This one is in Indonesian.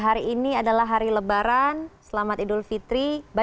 hari ini adalah hari lebaran selamat idul fitri